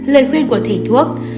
lời khuyên của thủy thuốc